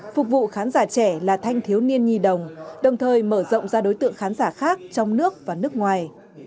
phục vụ khán giả trẻ là thanh thiếu niên nhi đồng đồng thời mở rộng ra đối tượng khán giả khác trong nước và nước ngoài